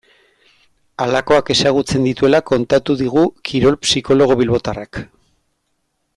Halakoak ezagutzen dituela kontatu digu kirol psikologo bilbotarrak.